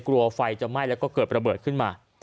กลัวไฟจะไหม้แล้วก็เกิดระเบิดขึ้นมา